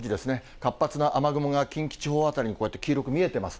活発な雨雲が近畿地方辺りに、こうやって黄色く見えています。